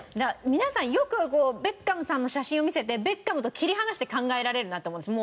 皆さんよくベッカムさんの写真を見せてベッカムと切り離して考えられるなと思うんです。